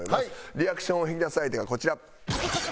リアクションを引き出す相手がこちら。